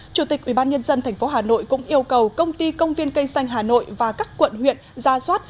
chủ tịch ủy ban nhân dân tp hà nội cũng yêu cầu công ty công viên cây xanh hà nội và các quận huyện ra soát